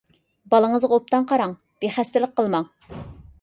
بالىڭىزغا ئوبدان قاراڭ، بىخەستەلىك قىلماڭ.